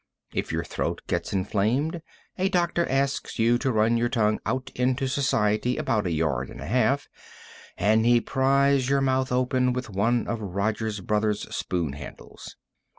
If your throat gets inflamed, a doctor asks you to run your tongue out into society about a yard and a half, and he pries your mouth open with one of Rogers Brothers' spoon handles.